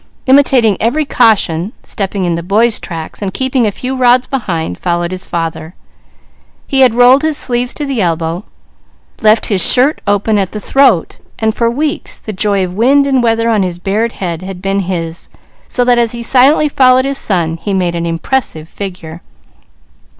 Imitating every caution, stepping in the boy's tracks, and keeping a few rods behind, followed his father. He had rolled his sleeves to the elbow, left his shirt open at the throat, while for weeks the joy of wind and weather on his bared head had been his, so that as he silently followed his son he made an impressive figure.